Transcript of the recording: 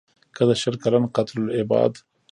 که د شل کلن «قتل العباد»